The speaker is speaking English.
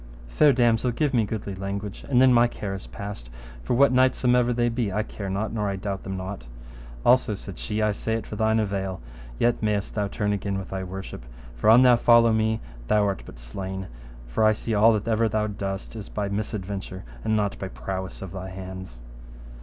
Fair damosel, give me goodly language, and then my care is past, for what knights somever they be, I care not, nor I doubt them not. Also, said she, I say it for thine avail, yet mayest thou turn again with thy worship; for an thou follow me, thou art but slain, for I see all that ever thou dost is but by misadventure, and not by prowess of thy hands.